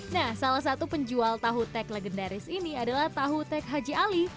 nah salah satu penjual tahu tek legendaris ini adalah tahu tek haji ali